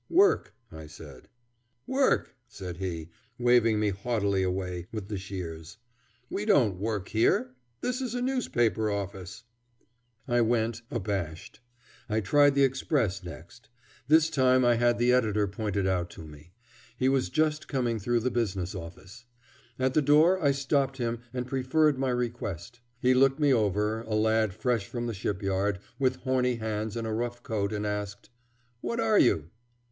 "Work," I said. "Work!" said he, waving me haughtily away with the shears; "we don't work here. This is a newspaper office." I went, abashed. I tried the Express next. This time I had the editor pointed out to me. He was just coming through the business office. At the door I stopped him and preferred my request. He looked me over, a lad fresh from the shipyard, with horny hands and a rough coat, and asked: "What are you?"